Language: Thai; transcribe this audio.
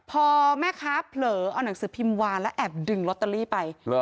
พอแม่ค้าเผลอเอาหนังสือพิมพ์วานแล้วแอบดึงลอตเตอรี่ไป